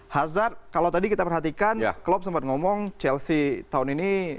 hazard kalau tadi kita perhatikan klub sempat ngomong chelsea tahun ini